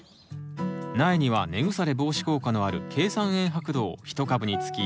苗には根腐れ防止効果のある珪酸塩白土を１株につき１